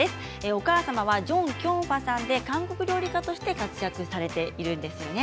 お母様はジョン・キョンファさんで韓国料理家として活躍されているんですよね。